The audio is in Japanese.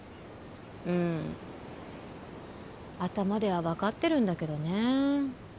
うん頭では分かってるんだけどね